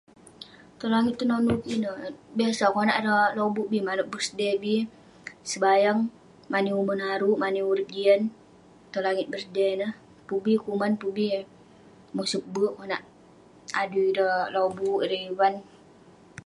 Tong langit tenonu kik ineh, biasa konak ireh lobuk bi manouk birthday bi. Sebayang, mani umon aruk, mani urip jian, tong langit birthday ineh. Pun bi kuman, pun bi mosep be'ek konak adui ireh lobuk, ireh ivan.